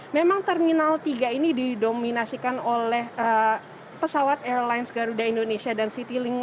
memang terminal tiga ini didominasikan oleh pesawat airlines garuda indonesia dan citylink